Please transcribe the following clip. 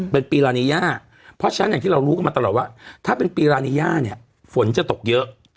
เพราะฉะนั้นอย่างที่เรารู้กันมาตลอดว่าถ้าเป็นปีรานิยาฝนจะตกเยอะ